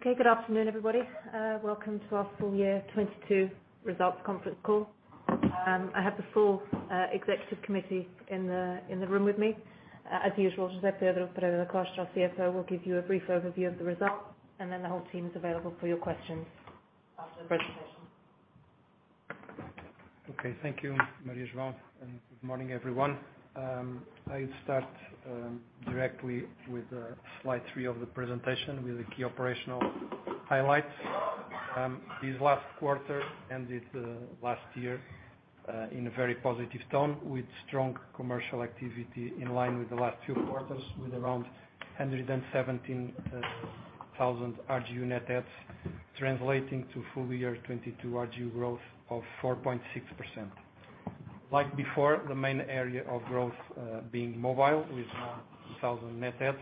Okay. Good afternoon, everybody. Welcome to our full year 2022 results conference call. I have the full executive committee in the, in the room with me. As usual, José Pedro Pereira da Costa, our CFO, will give you a brief overview of the results, and then the whole team is available for your questions after the presentation. Okay. Thank you, Maria João, and good morning, everyone. I start directly with slide three of the presentation with the key operational highlights. This last quarter ended last year in a very positive tone with strong commercial activity in line with the last two quarters, with around 117RGU net adds, translating to full year 2022 RGU growth of 4.6%. Like before, the main area of growth being mobile with 2,000 net adds,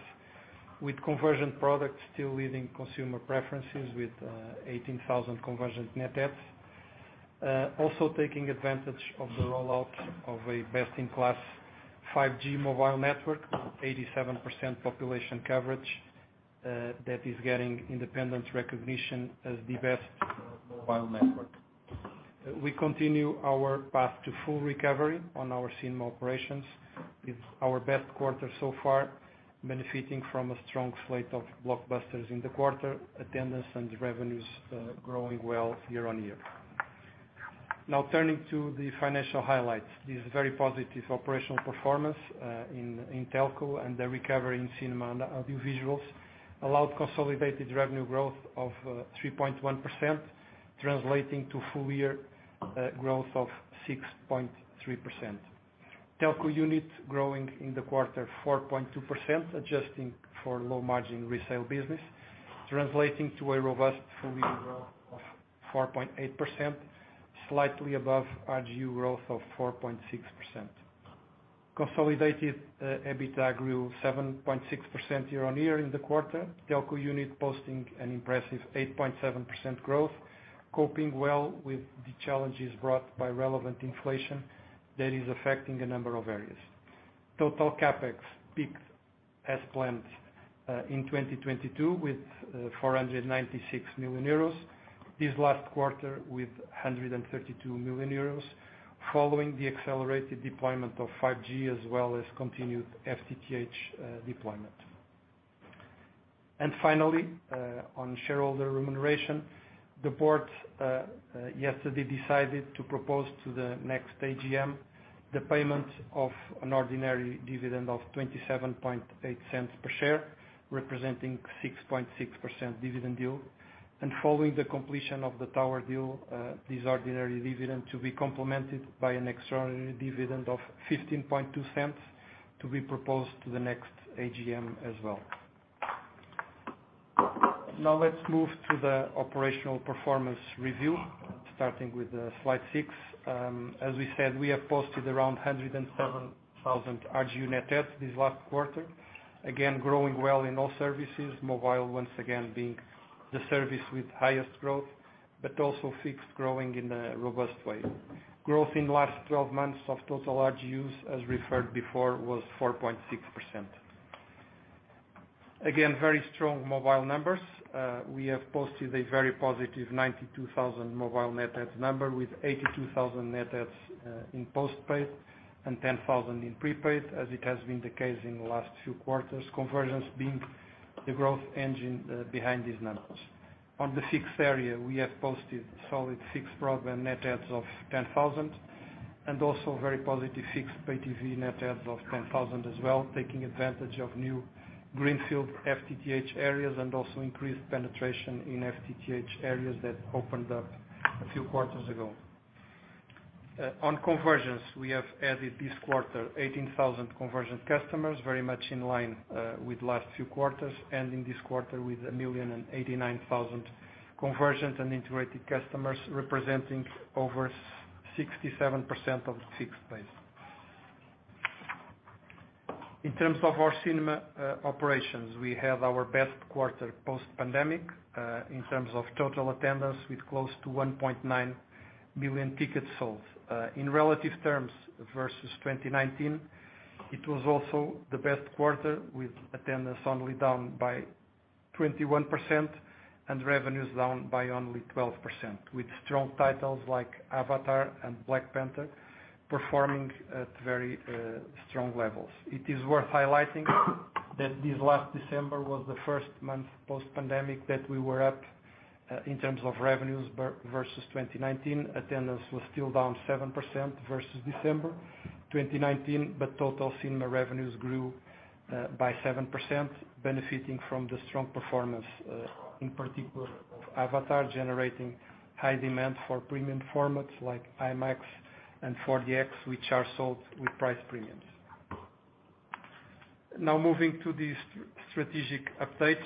with conversion products still leading consumer preferences with 18,000 conversion net adds. Also taking advantage of the rollout of a best-in-class 5G mobile network, 87% population coverage, that is getting independent recognition as the best mobile network. We continue our path to full recovery on our cinema operations. It's our best quarter so far, benefiting from a strong slate of blockbusters in the quarter, attendance and revenues growing well year-on-year. Turning to the financial highlights. This very positive operational performance in telco and the recovery in cinema and audiovisuals allowed consolidated revenue growth of 3.1%, translating to full-year growth of 6.3%. Telco unit growing in the quarter 4.2%, adjusting for low margin resale business, translating to a robust full-year growth of 4.8%, slightly above RGU growth of 4.6%. Consolidated EBITDA grew 7.6% year-on-year in the quarter. Telco unit posting an impressive 8.7% growth, coping well with the challenges brought by relevant inflation that is affecting a number of areas. Total CapEx peaked as planned in 2022 with 496 million euros. This last quarter with 132 million euros following the accelerated deployment of 5G as well as continued FTTH deployment. Finally, on shareholder remuneration, the board yesterday decided to propose to the next AGM the payment of an ordinary dividend of 0.278 per share, representing 6.6% dividend yield. Following the completion of the tower deal, this ordinary dividend to be complemented by an extraordinary dividend of 0.152 to be proposed to the next AGM as well. Now let's move to the operational performance review, starting with slide six. As we said, we have posted around 107,000 RGU net adds this last quarter. Again, growing well in all services. Mobile, once again being the service with highest growth, but also fixed growing in a robust way. Growth in last 12 months of total RGUs as referred before was 4.6%. Again, very strong mobile numbers. We have posted a very positive 92,000 mobile net adds number with 82,000 net adds in postpaid and 10,000 in prepaid, as it has been the case in the last few quarters. Convergence being the growth engine behind these numbers. On the fixed area, we have posted solid fixed broadband net adds of 10,000 and also very positive fixed PTV net adds of 10,000 as well, taking advantage of new greenfield FTTH areas and also increased penetration in FTTH areas that opened up a few quarters ago. On convergence, we have added this quarter 18,000 convergent customers, very much in line with last few quarters, ending this quarter with 1,089,000 convergent and integrated customers, representing over 67% of the fixed base. In terms of our cinema operations, we had our best quarter post-pandemic in terms of total attendance with close to 1.9 million tickets sold. In relative terms versus 2019, it was also the best quarter with attendance only down by 21% and revenues down by only 12%, with strong titles like Avatar and Black Panther performing at very strong levels. It is worth highlighting that this last December was the first month post-pandemic that we were up in terms of revenues versus 2019. Attendance was still down 7% versus December 2019, total cinema revenues grew by 7%, benefiting from the strong performance in particular of Avatar, generating high demand for premium formats like IMAX and 4DX, which are sold with price premiums. Now moving to the strategic updates,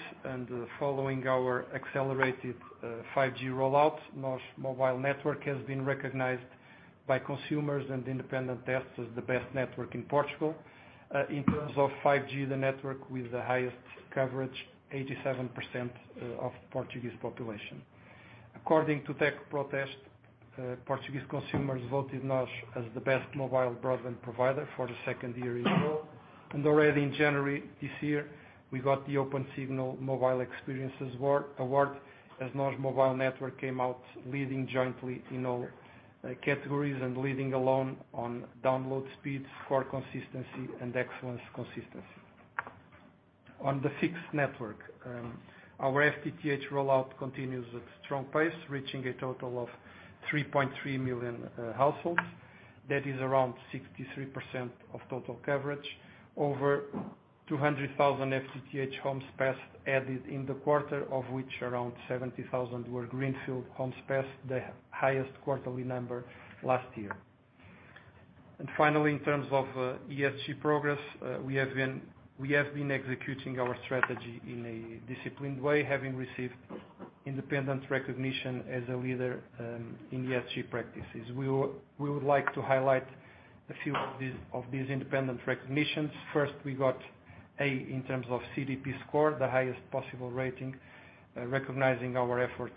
following our accelerated 5G rollout, NOS mobile network has been recognized by consumers and independent tests as the best network in Portugal. In terms of 5G, the network with the highest coverage, 87% of Portuguese population. According to DECO PROteste, Portuguese consumers voted NOS as the best mobile broadband provider for the second year in a row. Already in January this year, we got the Opensignal Mobile Network Experience Award, as NOS Mobile Network came out leading jointly in all categories, and leading alone on download speeds for consistency and excellence. On the fixed network, our FTTH rollout continues at strong pace, reaching a total of 3.3 million households. That is around 63% of total coverage. Over 200,000 FTTH homes passed, added in the quarter, of which around 70,000 were greenfield homes passed, the highest quarterly number last year. Finally, in terms of ESG progress, we have been executing our strategy in a disciplined way, having received independent recognition as a leader in ESG practices. We would like to highlight a few of these independent recognitions. First, we got A in terms of CDP score, the highest possible rating, recognizing our effort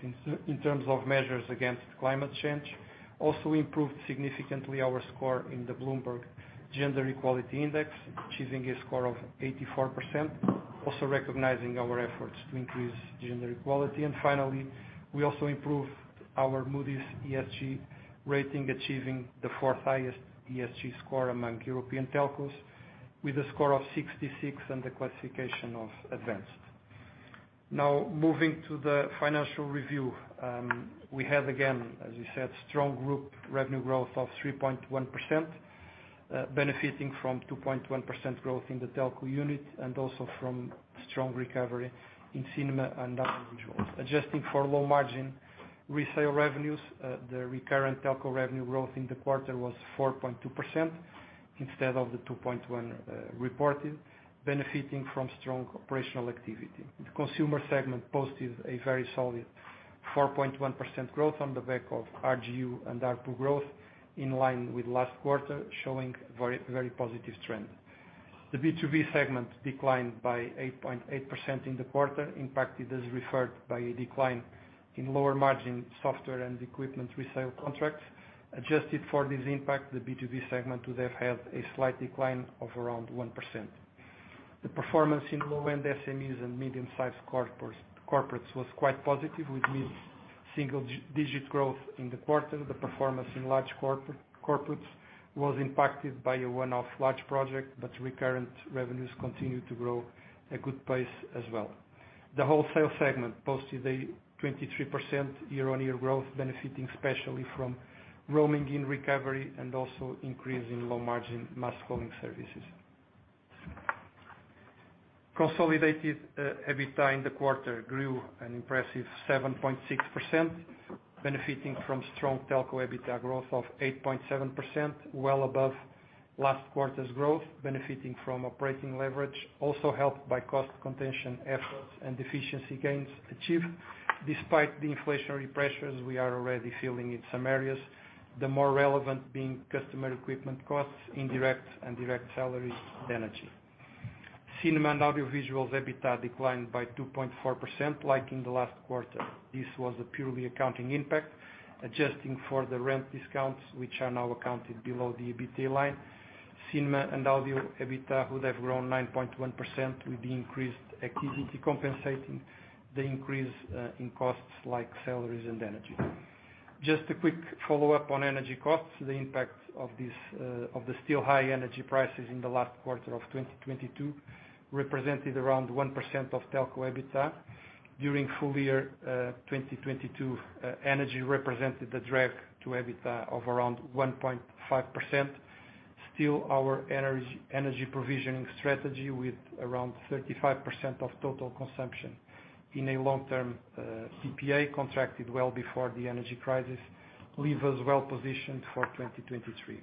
in terms of measures against climate change. Also improved significantly our score in the Bloomberg Gender-Equality Index, achieving a score of 84%, also recognizing our efforts to increase gender equality. We also improved our Moody's ESG rating, achieving the fourth highest ESG score among European telcos, with a score of 66 and the classification of advanced. Moving to the financial review. We have again, as we said, strong group revenue growth of 3.1%, benefiting from 2.1% growth in the telco unit and also from strong recovery in cinema and audiovisuals. Adjusting for low margin resale revenues, the recurrent telco revenue growth in the quarter was 4.2% instead of the 2.1% reported, benefiting from strong operational activity. The consumer segment posted a very solid 4.1% growth on the back of RGU and ARPU growth, in line with last quarter, showing very positive trend. The B2B segment declined by 8.8% in the quarter, impacted as referred by a decline in lower margin software and equipment resale contracts. Adjusted for this impact, the B2B segment would have had a slight decline of around 1%. The performance in low-end SMEs and medium-sized corporates was quite positive, with mid-single digit growth in the quarter. The performance in large corporates was impacted by a one-off large project. Recurrent revenues continued to grow a good pace as well. The wholesale segment posted a 23% year-on-year growth, benefiting especially from roaming in recovery and also increase in low-margin mass calling services. Consolidated EBITDA in the quarter grew an impressive 7.6%, benefiting from strong telco EBITDA growth of 8.7%, well above last quarter's growth, benefiting from operating leverage, also helped by cost contention efforts and efficiency gains achieved. Despite the inflationary pressures we are already feeling in some areas, the more relevant being customer equipment costs, indirect and direct salaries, energy. Cinema and audiovisual's EBITDA declined by 2.4% like in the last quarter. This was a purely accounting impact. Adjusting for the rent discounts, which are now accounted below the EBITDA line, cinema and audio EBITDA would have grown 9.1% with the increased activity compensating the increase in costs like salaries and energy. Just a quick follow-up on energy costs. The impact of this, of the still high energy prices in the last quarter of 2022 represented around 1% of Telco EBITDA. During full year 2022, energy represented the drag to EBITDA of around 1.5%. Still our energy provisioning strategy with around 35% of total consumption in a long-term PPA contracted well before the energy crisis, leave us well-positioned for 2023.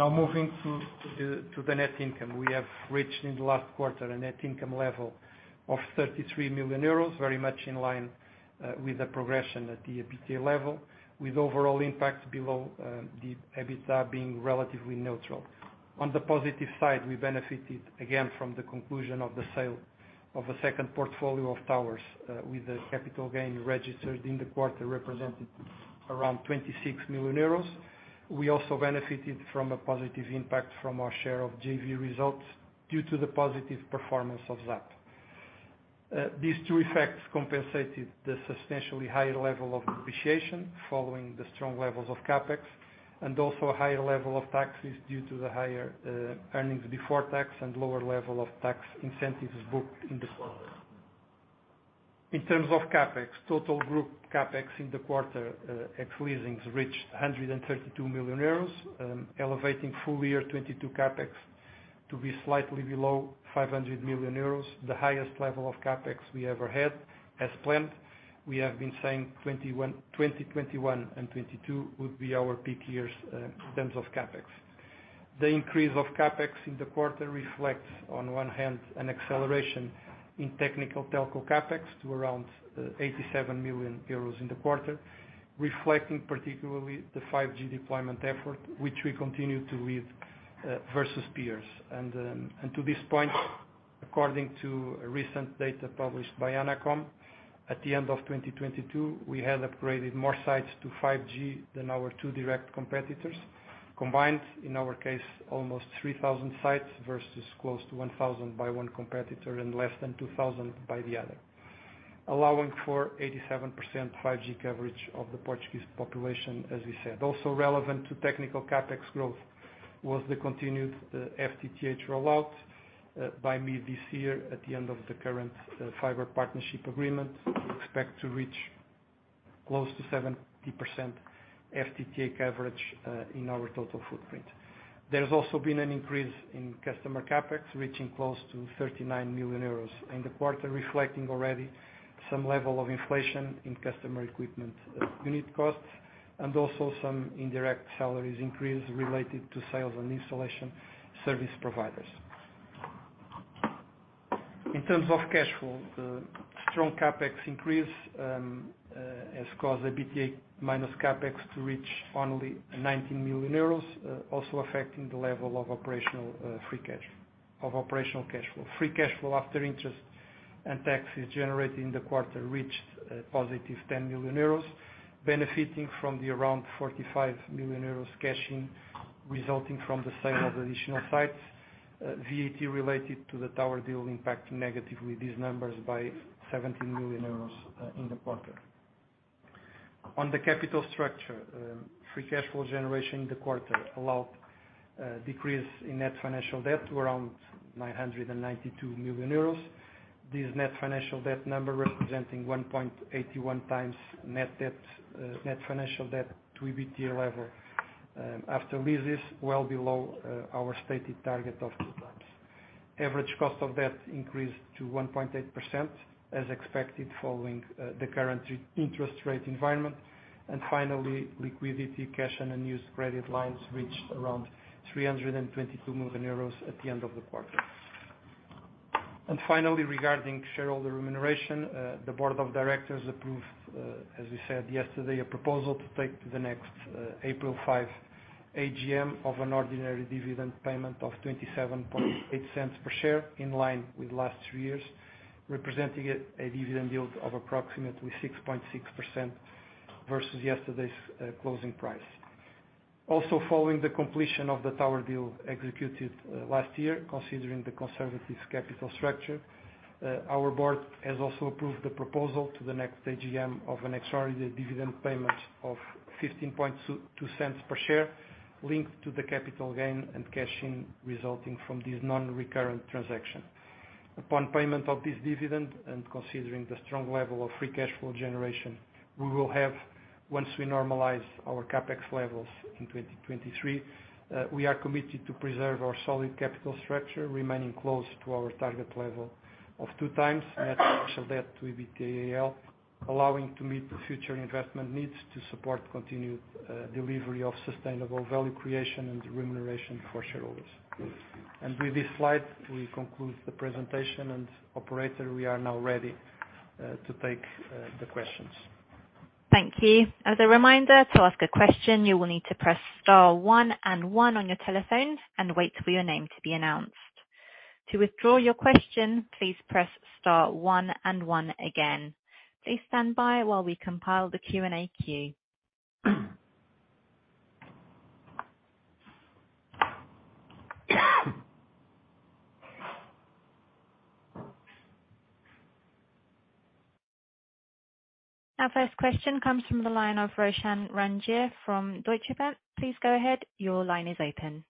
Now, moving to the net income. We have reached in the last quarter a net income level of 33 million euros, very much in line with the progression at the EBITDA level, with overall impact below the EBITDA being relatively neutral. On the positive side, we benefited again from the conclusion of the sale of a second portfolio of towers, with the capital gain registered in the quarter represented around 26 million euros. We also benefited from a positive impact from our share of JV results due to the positive performance of ZAP. These two effects compensated the substantially higher level of depreciation following the strong levels of CapEx, and also a higher level of taxes due to the higher earnings before tax and lower level of tax incentives booked in the quarter. In terms of CapEx, total group CapEx in the quarter, ex-leasings, reached 132 million euros, elevating full year 2022 CapEx to be slightly below 500 million euros, the highest level of CapEx we ever had as planned. We have been saying 2021 and 2022 would be our peak years in terms of CapEx. The increase of CapEx in the quarter reflects on one hand an acceleration in technical telco CapEx to around 87 million euros in the quarter, reflecting particularly the 5G deployment effort, which we continue to lead versus peers. To this point, according to a recent data published by ANACOM, at the end of 2022, we had upgraded more sites to 5G than our two direct competitors combined. In our case, almost 3,000 sites versus close to 1,000 by one competitor and less than 2,000 by the other, allowing for 87% 5G coverage of the Portuguese population, as we said. Also relevant to technical CapEx growth was the continued FTTH rollout by mid this year. At the end of the current fiber partnership agreement, we expect to reach close to 70% FTTH coverage in our total footprint. There's also been an increase in customer CapEx, reaching close to 39 million euros in the quarter, reflecting already some level of inflation in customer equipment unit costs, and also some indirect salaries increase related to sales and installation service providers. In terms of cash flow, the strong CapEx increase has caused the EBITDA minus CapEx to reach only 19 million euros, also affecting the level of operational cash flow. Free cash flow after interest and taxes generated in the quarter reached a positive 10 million euros benefiting from the around 45 million euros cash in resulting from the sale of additional sites, VAT related to the tower deal impacting negatively these numbers by 17 million euros in the quarter. On the capital structure, free cash flow generation in the quarter allowed a decrease in net financial debt to around 992 million euros. This net financial debt number representing 1.81x net debt, net financial debt to EBITDA level, after leases, well below our stated target of 2x. Average cost of debt increased to 1.8% as expected, following the current in-interest rate environment. Liquidity, cash, and unused credit lines reached around 322 million euros at the end of the quarter. Regarding shareholder remuneration, the board of directors approved, as we said yesterday, a proposal to take to the next April 5 AGM of an ordinary dividend payment of 0.278 per share, in line with last three years, representing a dividend yield of approximately 6.6% versus yesterday's closing price. Following the completion of the tower deal executed last year, considering the conservative's capital structure, our board has also approved the proposal to the next AGM of an extraordinary dividend payment of 0.1522 per share, linked to the capital gain and cash in resulting from this non-recurrent transaction. Upon payment of this dividend and considering the strong level of free cash flow generation we will have once we normalize our CapEx levels in 2023, we are committed to preserve our solid capital structure remaining close to our target level of 2x net financial debt to EBITDA, allowing to meet the future investment needs to support continued delivery of sustainable value creation and remuneration for shareholders. With this slide, we conclude the presentation. Operator, we are now ready to take the questions. Thank you. As a reminder, to ask a question, you will need to press star one and one on your telephone and wait for your name to be announced. To withdraw your question, please press star one and one again. Please stand by while we compile the Q&A queue. Our first question comes from the line of Roshan Ranjit from Deutsche Bank. Please go ahead. Your line is open.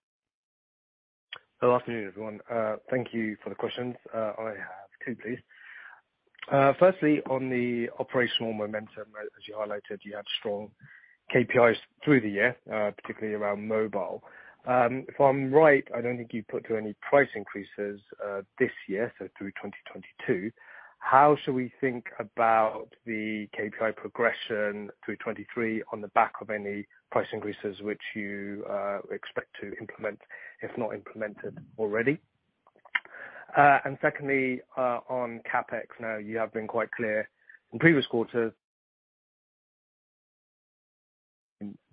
Good afternoon, everyone. Thank you for the questions. I have two, please. Firstly, on the operational momentum, as you highlighted, you have strong KPIs through the year, particularly around mobile. If I'm right, I don't think you've put through any price increases, this year, so through 2022. How should we think about the KPI progression through 2023 on the back of any price increases which you expect to implement, if not implemented already? Secondly, one CapEx. Now, you have been quite clear in previous quarters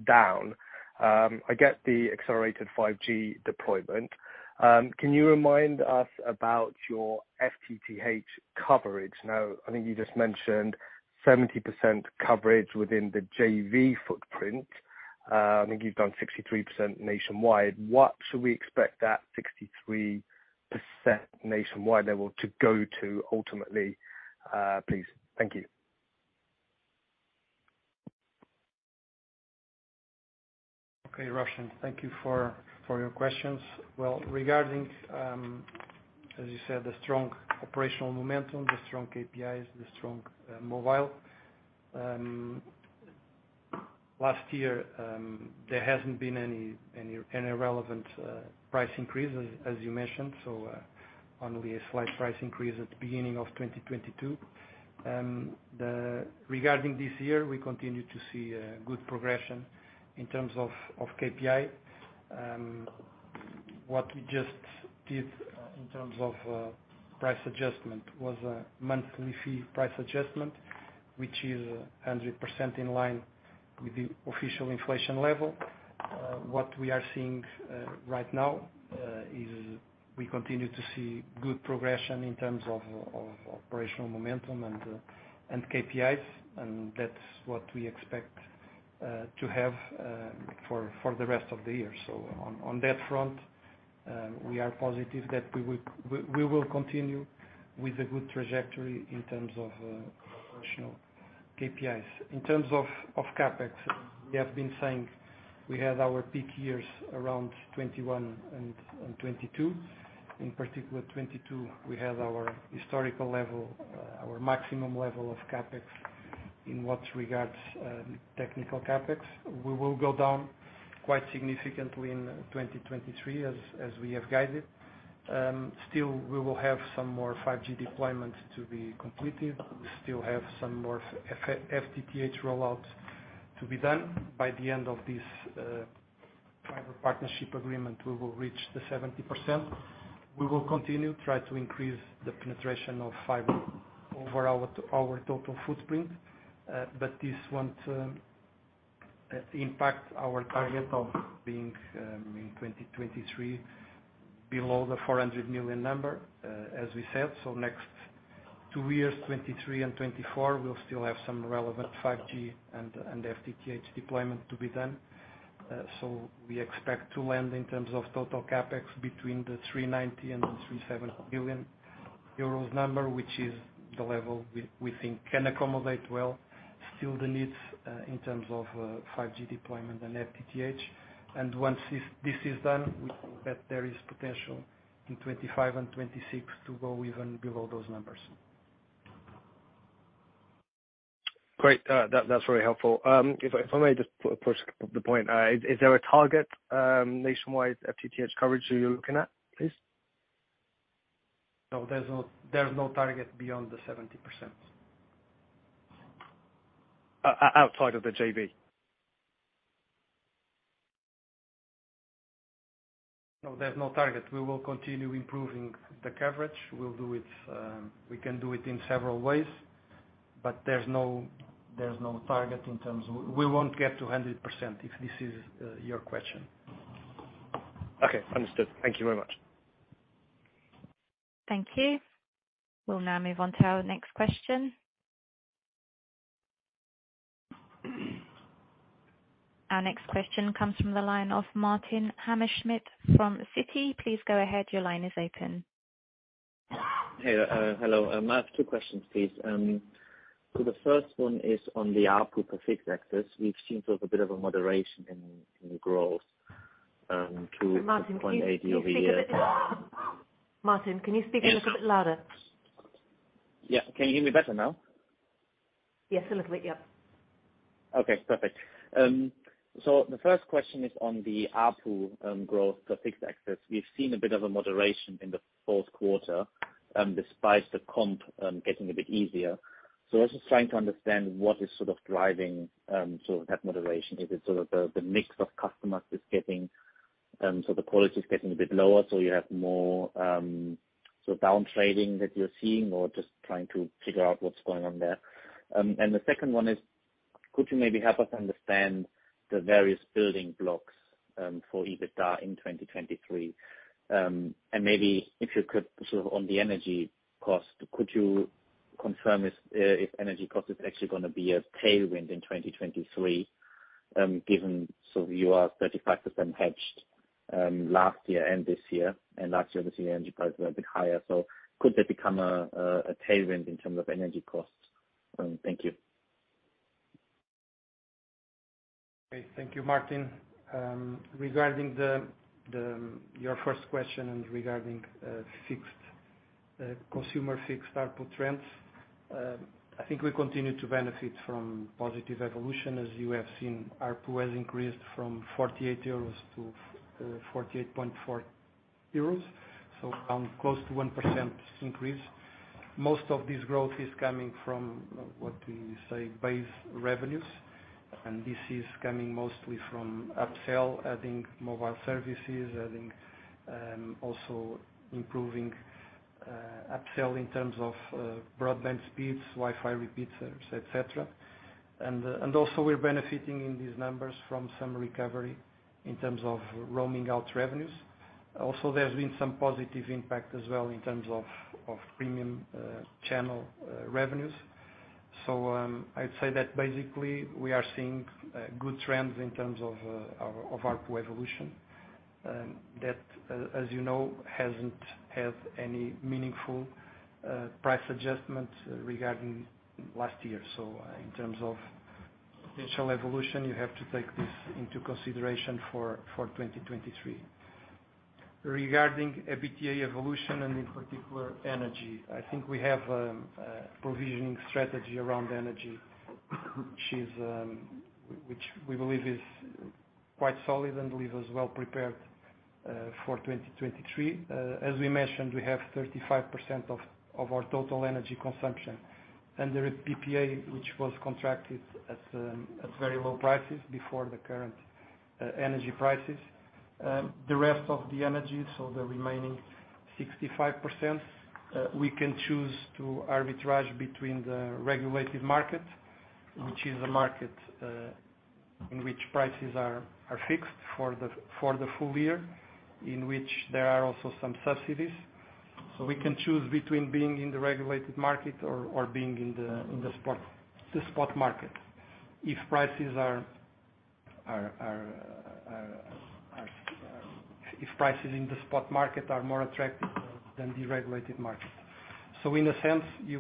down. I get the accelerated 5G deployment. Can you remind us about your FTTH coverage? Now, I think you just mentioned 70% coverage within the JV footprint. I think you've done 63% nationwide. What should we expect that 63% nationwide level to go to ultimately, please? Thank you. Okay, Roshan, thank you for your questions. Regarding, as you said, the strong operational momentum, the strong KPIs, the strong mobile last year, there hasn't been any relevant price increase as you mentioned, so only a slight price increase at the beginning of 2022. Regarding this year, we continue to see good progression in terms of KPI. What we just did in terms of price adjustment was a monthly fee price adjustment. Which is 100% in line with the official inflation level. What we are seeing right now is we continue to see good progression in terms of operational momentum and KPIs, and that's what we expect to have for the rest of the year. On, on that front, we are positive that we will continue with a good trajectory in terms of operational KPIs. In terms of CapEx, we have been saying we had our peak years around 2021 and 2022. In particular 2022, we had our historical level, our maximum level of CapEx in what regards technical CapEx. We will go down quite significantly in 2023, as we have guided. Still, we will have some more 5G deployments to be completed. We still have some more FTTH rollouts to be done. By the end of this fiber partnership agreement, we will reach the 70%. We will continue try to increase the penetration of fiber over our total footprint. This won't impact our target of being in 2023 below the 400 million number, as we said. Next two years, 2023 and 2024, we'll still have some relevant 5G and FTTH deployment to be done. We expect to land in terms of total CapEx between the 390 and the 3.7 billion euros number, which is the level we think can accommodate well still the needs in terms of 5G deployment and FTTH. Once this is done, we think that there is potential in 2025 and 2026 to go even below those numbers. Great. That's very helpful. If I may just push the point. Is there a target nationwide FTTH coverage that you're looking at, please? No, there's no target beyond the 70%. Outside of the JV. No, there's no target. We will continue improving the coverage. We'll do it, we can do it in several ways, but there's no target in terms of... We won't get to 100%, if this is your question. Okay, understood. Thank you very much. Thank you. We'll now move on to our next question. Our next question comes from the line of Martin Hammerschmidt from Citi. Please go ahead. Your line is open. Hey, hello. I have two questions, please. The first one is on the ARPU for fixed access. We've seen a bit of a moderation in growth. Martin, can you speak a little bit louder? Yeah. Can you hear me better now? Yes, a little bit. Yep. Okay, perfect. The first question is on the ARPU growth for fixed access. We've seen a bit of a moderation in the fourth quarter, despite the comp getting a bit easier. I was just trying to understand what is driving that moderation. Is it the mix of customers is getting, so the quality is getting a bit lower, so you have more down trading that you're seeing, or just trying to figure out what's going on there. The second one is could you maybe help us understand the various building blocks for EBITDA in 2023? Maybe if you could on the energy cost, could you confirm if energy cost is actually gonna be a tailwind in 2023, given so you are 35% hedged last year and this year, and last year obviously the energy prices were a bit higher? Could that become a tailwind in terms of energy costs? Thank you. Okay. Thank you, Martin. Regarding the, your first question and regarding fixed consumer fixed ARPU trends, I think we continue to benefit from positive evolution. As you have seen, ARPU has increased from 48 euros to 48.4 euros, so around close to 1% increase. Most of this growth is coming from, what do you say, base revenues, and this is coming mostly from upsell, adding mobile services, adding also improving upsell in terms of broadband speeds, Wi-Fi repeaters, et cetera. Also we're benefiting in these numbers from some recovery in terms of roaming out revenues. Also, there's been some positive impact as well in terms of premium channel revenues. I'd say that basically we are seeing good trends in terms of ARPU evolution, that as you know, hasn't had any meaningful price adjustments regarding last year. In terms of potential evolution, you have to take this into consideration for 2023. Regarding EBITDA evolution and in particular energy, I think we have a provisioning strategy around energy, which we believe is quite solid and leaves us well prepared for 2023. As we mentioned, we have 35% of our total energy consumption under a PPA, which was contracted at very low prices before the current energy prices. The rest of the energy, so the remaining 65%, we can choose to arbitrage between the regulated market, which is a market in which prices are fixed for the full year, in which there are also some subsidies. We can choose between being in the regulated market or being in the spot market. If prices in the spot market are more attractive than the regulated market. In a see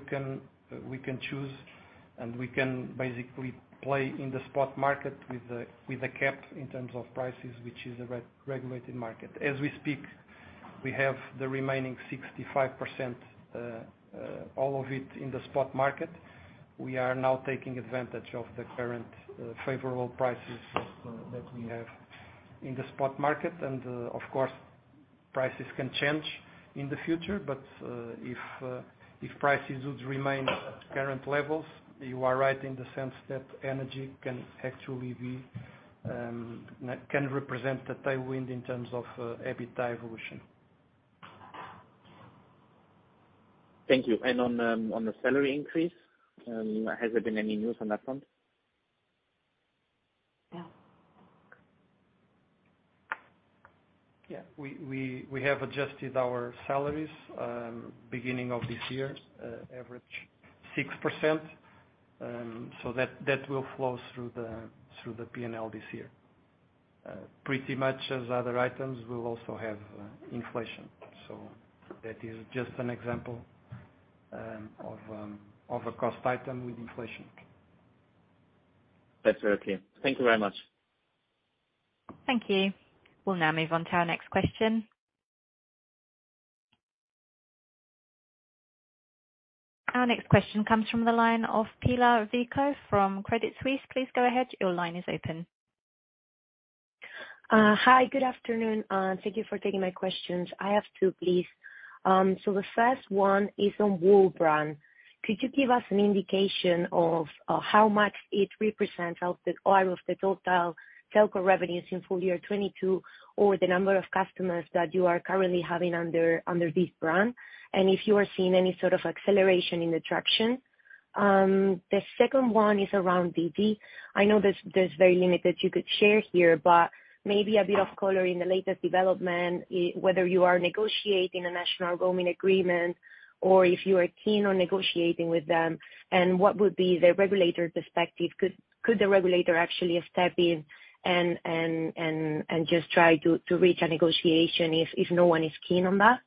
we can choose and we can basically play in the spot market with a cap in terms of prices, which is a regulated market. As we speak we have the remaining 65%, all of it in the spot market. We are now taking advantage of the current favorable prices that we have in the spot market. Of course, prices can change in the future, but if prices would remain at current levels, you are right in the sense that energy can actually be can represent the tailwind in terms of EBITDA evolution. Thank you. On the salary increase has there been any news on that front? Yeah. We have adjusted our salaries beginning of this year, average 6%, so that will flow through the P&L this year. Pretty much as other items will also have inflation. That is just an example of a cost item with inflation. That's very clear. Thank you very much. Thank you. We'll now move on to our next question. Our next question comes from the line of Pilar Vico from Credit Suisse. Please go ahead. Your line is open. Hi, good afternoon. Thank you for taking my questions. I have two, please. The first one is on WooBrand. Could you give us an indication of how much it represents of the, out of the total telco revenues in full year 2022, or the number of customers that you are currently having under this brand? If you are seeing any acceleration in the traction. The second one is around Digi. I know there's very limited you could share here, but maybe a bit of color in the latest development, whether you are negotiating a national roaming agreement or if you are keen on negotiating with them, and what would be the regulator perspective. Could the regulator actually step in and just try to reach a negotiation if no one is keen on that?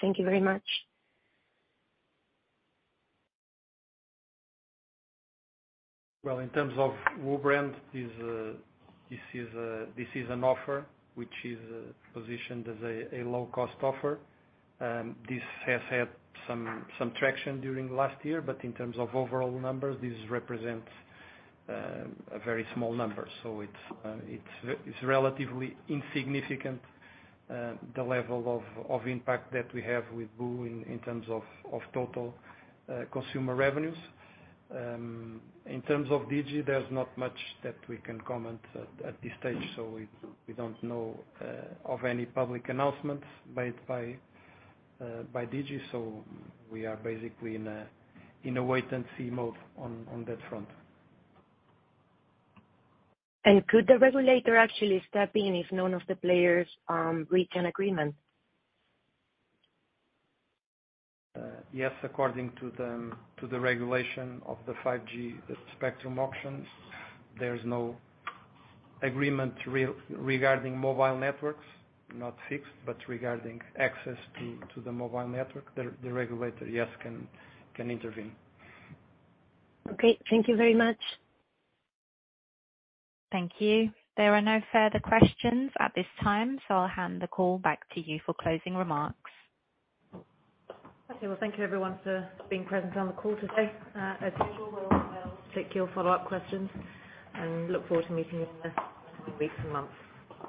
Thank you very much. In terms of WooBrand, this is an offer which is positioned as a low-cost offer. This has had some traction during last year, but in terms of overall numbers, this represents a very small number. It's relatively insignificant, the level of impact that we have with Woo in terms of total consumer revenues. In terms of Digi, there's not much that we can comment at this stage, we don't know of any public announcements made by Digi. We are basically in a wait-and-see mode on that front. Could the regulator actually step in if none of the players reach an agreement? Yes, according to the regulation of the 5G spectrum auctions, there's no agreement regarding mobile networks, not fixed, but regarding access to the mobile network, the regulator, yes, can intervene. Okay, thank you very much. Thank you. There are no further questions at this time so I'll hand the call back to you for closing remarks. Okay. Well, thank you everyone for being present on the call today. As usual we're on mail to take your follow-up questions and look forward to meeting you in the coming weeks and months.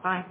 Bye.